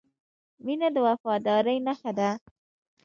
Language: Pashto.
• مینه د وفادارۍ نښه ده.